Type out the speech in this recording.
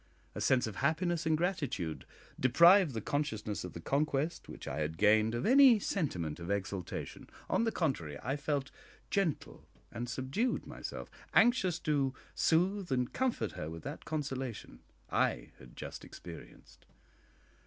A sense of happiness and gratitude deprived the consciousness of the conquest which I had gained of any sentiment of exultation; on the contrary, I felt gentle and subdued myself anxious to soothe and comfort her with that consolation I had just experienced.